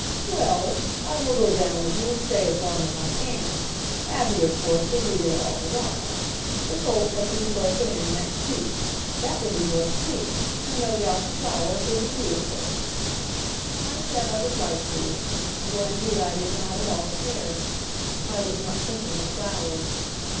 "Well, I will go down with you, and stay as long as I can. Abby, of course, will be there all the while. The colts are to be broken in next week that will be worth seeing; and no doubt the flowers will be beautiful." I said I would like to though indeed I did not at all care. I was not thinking of flowers.